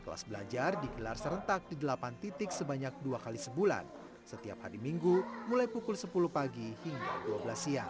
kelas belajar dikelar serentak di delapan titik sebanyak dua kali sebulan setiap hari minggu mulai pukul sepuluh pagi hingga dua belas siang